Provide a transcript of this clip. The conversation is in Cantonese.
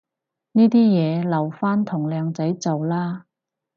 呢啲嘢留返同靚仔做啦